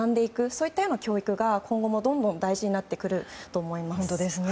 そういう教育が今後もどんどん大事になってくると思います。